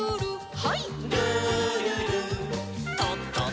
はい。